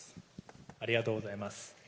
ありがとうございます。